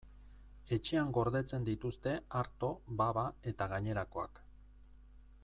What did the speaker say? Etxean gordetzen dituzte arto, baba eta gainerakoak.